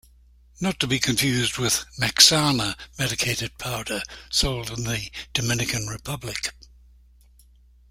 Not to be confused with "Mexana" medicated powder, sold in the Dominican Republic.